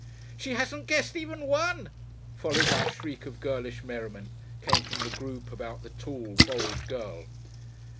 "She hasn't guessed even one!" followed by a shriek of girlish merriment, came from the group about the tall, bold girl.